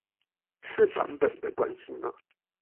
是版本的關係嗎？